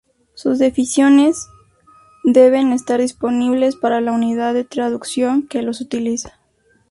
Sus definiciones deben estar disponibles para la unidad de traducción que los utiliza.